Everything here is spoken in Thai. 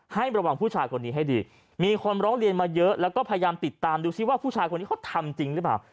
ให้ระวังผู้ชายคนนี้ให้ดีมีคนร้องเรียนมาเยอะแล้วก็พยายามติดตามดูซิว่าผู้ชายคนนี้เขาทำจริงหรือเปล่า